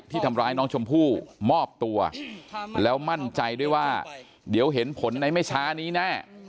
ทำร้ายน้องชมพู่มอบตัวแล้วมั่นใจด้วยว่าเดี๋ยวเห็นผลในไม่ช้านี้แน่